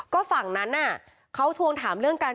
ก็ฝั่งนั้นเขาทวงถามเรื่องการ